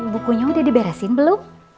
bukunya udah diberesin belum